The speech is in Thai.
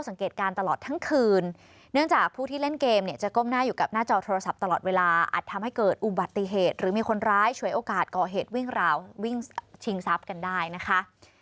สังเกตการณ์ตลอดทั้งคืนเนื่องจากผู้ที่เล่นเกมเนี่ยจะก้มหน้าอยู่กับหน้าจอโทรศัพท์ตลอดเวลาอาจทำให้เกิดอุบัติเหตุหรือมีคนร้ายฉวยโอกาสก่อเหตุวิ่งราววิ่งชิงทรัพย์กันได้นะคะ